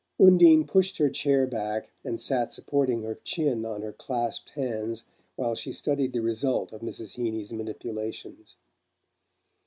Undine pushed her chair back, and sat supporting her chin on her clasped hands while she studied the result of Mrs. Heeny's manipulations.